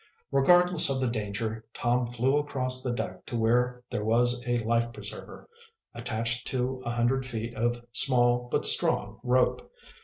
Regardless of the danger, Tom flew across the deck to where there was a life preserver, attached to a hundred feet of small, but strong, rope.